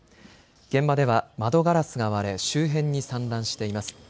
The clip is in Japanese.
現場では窓ガラスが割れ周辺に散乱しています。